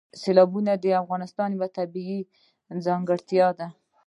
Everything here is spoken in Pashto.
سیلابونه د افغانستان یوه طبیعي ځانګړتیا ده.